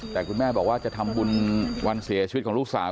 แต่คุณแม่บอกว่าจะทำบุญวันเสียชีวิตของลูกสาว